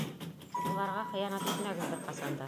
Уларға хыянат итмәгеҙ бер ҡасан да!